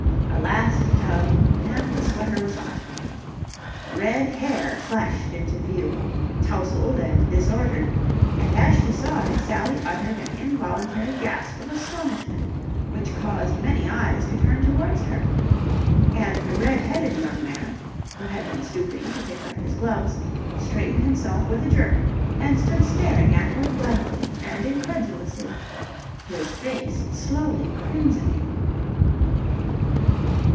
A last tug, and the sweater was off. Red hair flashed into view, tousled and disordered: and, as she saw it, Sally uttered an involuntary gasp of astonishment which caused many eyes to turn towards her. And the red headed young man, who had been stooping to pick up his gloves, straightened himself with a jerk and stood staring at her blankly and incredulously, his face slowly crimsoning.